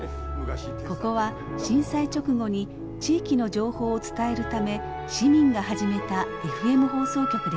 ここは震災直後に地域の情報を伝えるため市民が始めたＦＭ放送局でした。